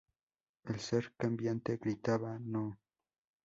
El ser cambiante gritaba: "¡No!